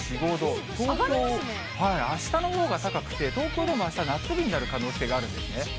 東京、あしたのほうが高くて、東京でもあした、夏日になる可能性があるんですね。